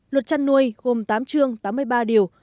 luật chăn nuôi gồm tám chương tám mươi ba điều